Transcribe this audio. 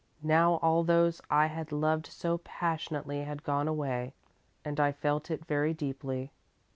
Now all those I had loved so passionately had gone away, and I felt it very deeply.